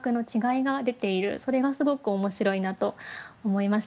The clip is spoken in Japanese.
それがすごく面白いなと思いました。